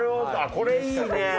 これいいね！